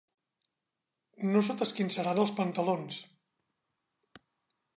No se t'esquinçaran els pantalons.